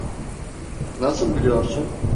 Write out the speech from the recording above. Nasıl biliyorsun?